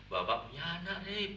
bapak punya anak rit